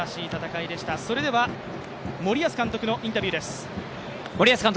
それでは森保監督のインタビューです。